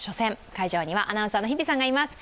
会場にはアナウンサーの日比さんがいます。